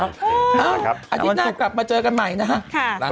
อาทิตย์หน้ากลับมาเจอกันใหม่นะฮะ